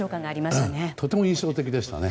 とても印象的でしたね。